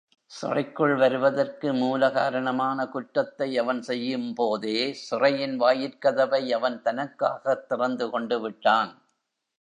சிறைக்குள் வருவதற்கு மூலகாரணமான குற்றத்தை அவன் செய்யும் போதே சிறையின் வாயிற்கதவை அவன் தனக்காகத் திறந்து கொண்டுவிட்டான்.